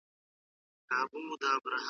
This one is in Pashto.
نيمه شپه يې د كور مخي ته غوغا سوه `